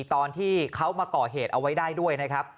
ตอนที่เขามาก่อเหตุเอาไว้ได้ด้วยนะครับ